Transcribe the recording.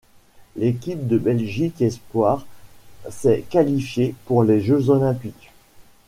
L'équipe de Belgique espoir s'est qualifiée pour les Jeux olympiques.